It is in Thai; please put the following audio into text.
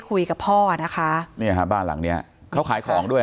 คุยกับพ่อนะคะเนี่ยฮะบ้านหลังเนี้ยเขาขายของด้วย